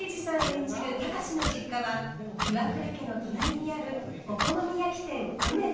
演じる貴司の実家は岩倉家の隣にあるお好み焼き店うめづ。